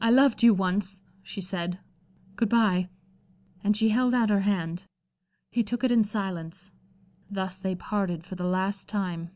"I loved you once," she said. "Good bye." And she held out her hand. He took it in silence. Thus they parted for the last time.